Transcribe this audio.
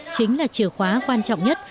chính là chìa khóa quan trọng nhất